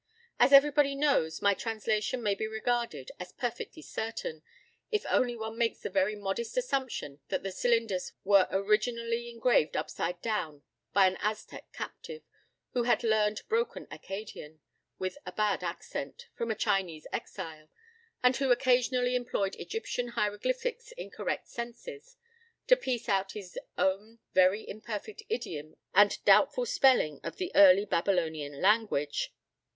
As everybody knows, my translation may be regarded as perfectly certain, if only one makes the very modest assumption that the cylinders were originally engraved upside down by an Aztec captive, who had learned broken Accadian, with a bad accent, from a Chinese exile, and who occasionally employed Egyptian hieroglyphics in incorrect senses, to piece out his own very imperfect idiom and doubtful spelling of the early Babylonian language.